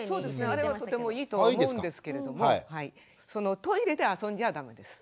あれはとてもいいと思うんですけれどもトイレで遊んじゃ駄目です。